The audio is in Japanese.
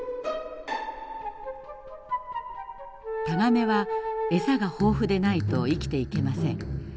タガメは餌が豊富でないと生きていけません。